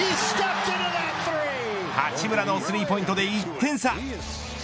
八村のスリーポイントで１点差。